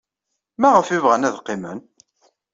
Maɣef ay bɣan ad qqimen?